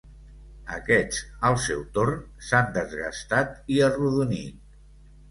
Aquests al seu torn s'han desgastat i arrodonit.